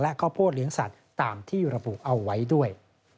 ข้าวโพดเลี้ยงสัตว์ตามที่ระบุเอาไว้ด้วย